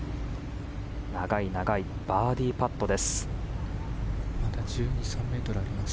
長い長いバーディーパット。